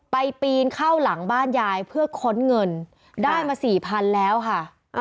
ปีนเข้าหลังบ้านยายเพื่อค้นเงินได้มาสี่พันแล้วค่ะ